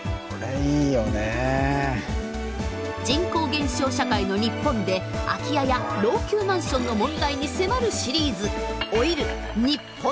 人口減少社会の日本で空き家や老朽マンションの問題に迫るシリーズ「老いる日本の“住まい”」。